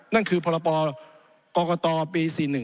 นั่นคือพบกตปี๔๑